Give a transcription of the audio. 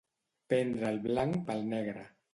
Prendre el blanc pel negre.